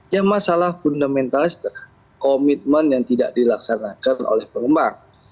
ya masalah fundamental komitmen yang tidak dilaksanakan oleh pengembang